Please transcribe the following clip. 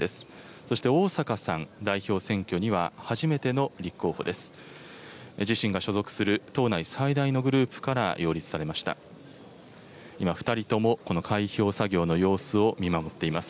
そして逢坂さん、代表選挙には初めての立候補です。